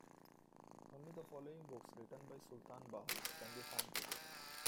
Only The following books written by Sultan Bahu can be found today.